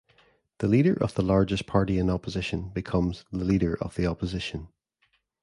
The leader of the largest party in opposition becomes the Leader of the Opposition.